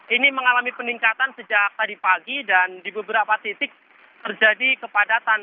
ini mengalami peningkatan sejak tadi pagi dan di beberapa titik terjadi kepadatan